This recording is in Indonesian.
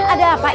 ada apa yen